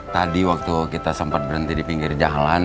tadi waktu kita sempat berhenti di pinggir jalan